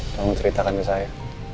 tolong ceritakan ke saya